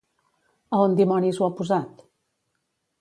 A on dimonis ho ha posat?